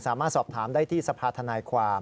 สามารถสอบถามได้ที่สภาธนายความ